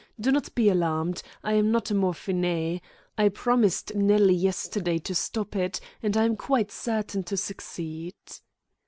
Do not be alarmed. I am not a morphinée. I promised Nellie yesterday to stop it, and I am quite certain to succeed."